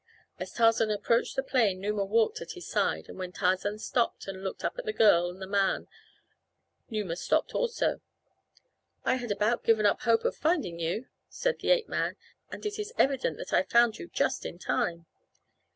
As Tarzan approached the plane Numa walked at his side, and when Tarzan stopped and looked up at the girl and the man Numa stopped also. "I had about given up hope of finding you," said the ape man, "and it is evident that I found you just in time."